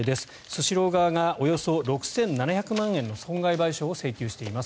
スシロー側がおよそ６７００万円の損害賠償を請求しています。